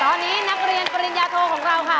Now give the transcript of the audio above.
ตอนนี้นักเรียนปริญญาโทของเราค่ะ